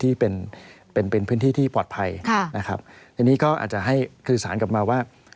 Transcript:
ที่เป็นเป็นพื้นที่ที่ปลอดภัยค่ะนะครับอันนี้ก็อาจจะให้คือสารกลับมาว่า